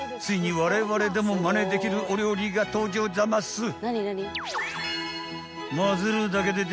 ［ついにわれわれでもまねできるお料理が登場ざます］